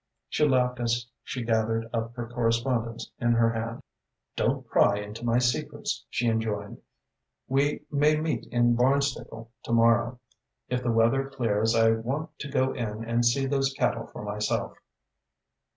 She laughed as she gathered up her correspondence in her hand. "Don't pry into my secrets," she enjoined. "We may meet in Barnstaple to morrow. If the weather clears, I want to go in and see those cattle for myself."